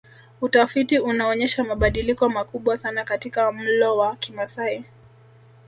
Utafiti unaonyesha mabadiliko makubwa sana katika mlo wa Kimasai